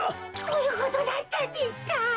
そういうことだったんですか。